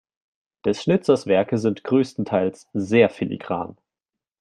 Des Schnitzers Werke sind größtenteils sehr filigran.